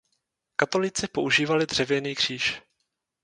Katolíci používali dřevěný kříž.